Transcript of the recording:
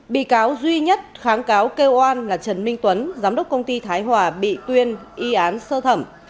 bị cáo duy nhất kháng cáo kêu oan là trần minh tuấn giám đốc công ty thái hòa bị tuyên y án sơ thẩm